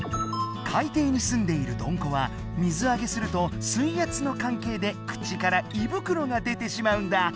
海底に住んでいるどんこは水あげすると水圧の関係で口から胃袋が出てしまうんだ。